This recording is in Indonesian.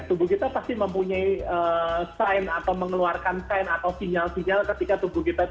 tubuh kita pasti mempunyai sign atau mengeluarkan sign atau sinyal sinyal ketika tubuh kita